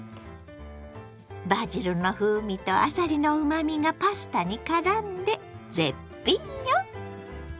バジルの風味とあさりのうまみがパスタにからんで絶品よ！